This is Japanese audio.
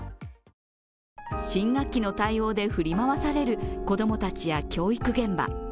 新学期の対応で振り回される子供たちや教育現場。